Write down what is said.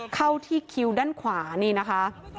เข้าที่คิวด้านขวานี่นะคะ